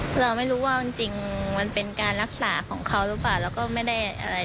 เพราะเราไม่รู้ว่าจริงมันเป็นการรักษาของเขาหรือเปล่าแล้วก็ไม่ได้อะไร